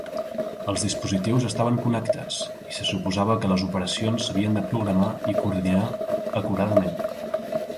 Els dispositius estaven connectats i se suposava que les operacions s'havien de programar i coordinar acuradament.